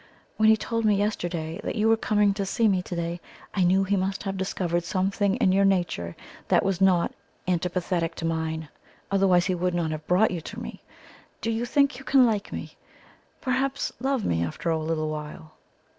When he told me yesterday that you were coming to see me to day, I knew he must have discovered something in your nature that was not antipathetic to mine; otherwise he would not have brought you to me. Do you think you can like me? perhaps LOVE me after a little while?"